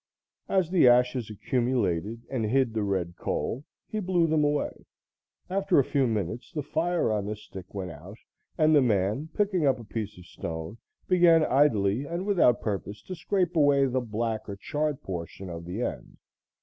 As the ashes accumulated and hid the red coal, he blew them away. After a few minutes, the fire on the stick went out and the man, picking up a piece of stone, began idly and without purpose to scrape away the black or charred portion of the end.